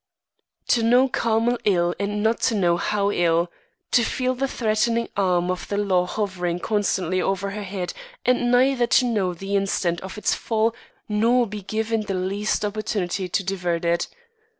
To know Carmel ill and not to know how ill! To feel the threatening arm of the law hovering constantly over her head and neither to know the instant of its fall nor be given the least opportunity to divert it.